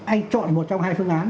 anh chọn một trong hai phương án